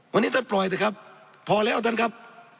วันนี้ท่านปล่อยเถอะครับพอแล้วท่านครับ